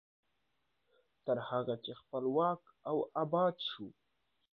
تر هغه چې خپلواک او اباد شو.